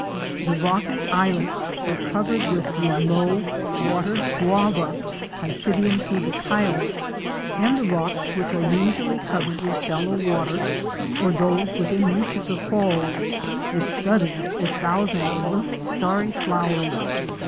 The rocky islets were covered with the low Water Guava (Psidium fluviatile), and the rocks which are usually covered with shallow water or those within reach of the falls were studded with thousands of little starry flowers.